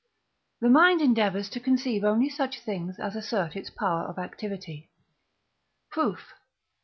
The mind endeavours to conceive only such things as assert its power of activity. Proof.